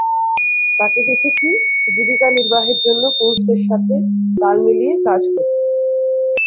তাকে দেখেছি, জীবিকা নির্বাহের জন্য পুরুষদের সাথে তাল মিলিয়ে কাজ করতে।